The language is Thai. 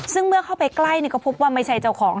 ซึ่งเมื่อเข้าไปใกล้ก็พบว่าไม่ใช่เจ้าของ